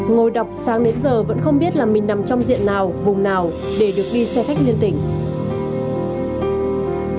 ngồi đọc sáng đến giờ vẫn không biết là mình nằm trong diện nào vùng nào để được đi xe khách liên tỉnh